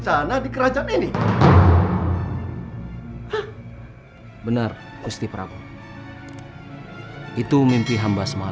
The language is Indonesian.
saya bekerja mengaulakan budaya saya melahirkan tempatkan cerita terkenal